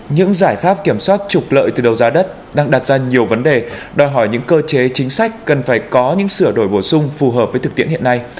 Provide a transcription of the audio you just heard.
những giải pháp kiểm soát trục lợi từ đầu giá đất đang đặt ra nhiều vấn đề đòi hỏi những cơ chế chính sách cần phải có những sửa đổi bổ sung phù hợp với thực tiễn hiện nay